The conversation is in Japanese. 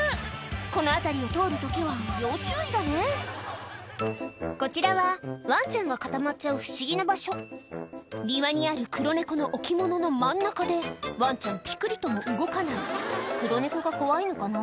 この辺りを通る時は要注意だねこちらはワンちゃんが固まっちゃう不思議な場所庭にある黒猫の置物の真ん中でワンちゃんぴくりとも動かない黒猫が怖いのかな？